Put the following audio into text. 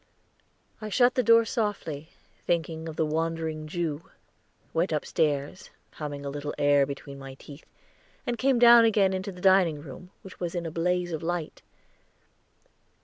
I shut the door softly, thinking of the Wandering Jew, went upstairs, humming a little air between my teeth, and came down again into the dining room, which was in a blaze of light.